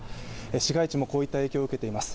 市街地もこういった影響を受けています。